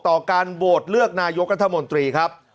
การโหวตเลือกนายกรัฐมนตรีครับ